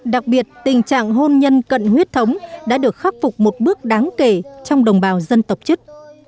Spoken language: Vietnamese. đặc biệt tình trạng hôn nhân cận huyết thống đã được khắc phục một bước đáng kể trong đồng bào dân tộc chất